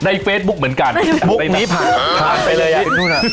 ในเฟซบุ๊กเหมือนกันในนี้ผ่านผ่านไปเลยอ่ะนู่นอ่ะ